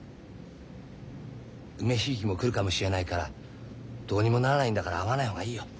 梅響も来るかもしれないからどうにもならないんだから会わない方がいいよ。